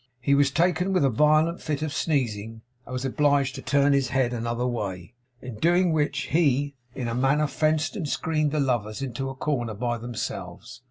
He was taken with a violent fit of sneezing, and was obliged to turn his head another way. In doing which, he, in a manner fenced and screened the lovers into a corner by themselves.